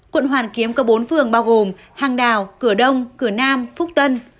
quận hoàn kiếm có bốn phường bao gồm hàng đào cửa đông cửa nam phúc tân